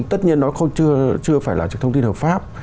tất nhiên nó chưa phải là thông tin hợp pháp